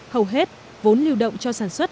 hầu hết vốn lưu động cho sản xuất